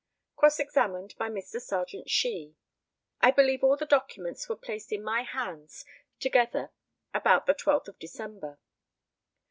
Cross examined by Mr. Serjeant SHEE. I believe all the documents were placed in my hands together about the 12th of December.